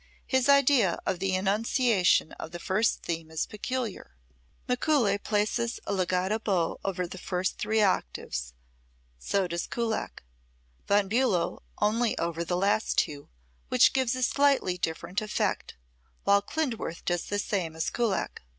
His idea of the enunciation of the first theme is peculiar: [Musical score excerpt] Mikuli places a legato bow over the first three octaves so does Kullak Von Bulow only over the last two, which gives a slightly different effect, while Klindworth does the same as Kullak.